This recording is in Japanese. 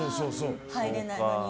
入れないのに。